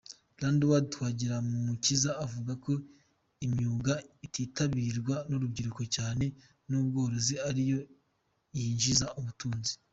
Landuard Twagirumukiza avuga ko imyuga ititabirwa n’urubyiruko cyane nk’ubworozi ariyo yinjiza ubutunzi.